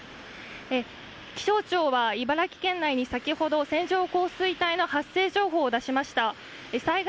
気象庁は茨城県内に先ほど線状降水帯の発生情報を出しました。